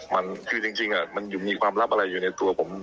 มันคือจริงมันมีความลับอะไรอยู่ในตัวผม